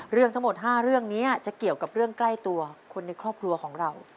เรื่องทั้งหมด๕เรื่องนี้จะเกี่ยวกับเรื่องใกล้ตัวคนในครอบครัวของเรา